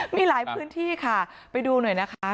มีหลายพื้นที่ค่ะไปดูหน่อยนะคะ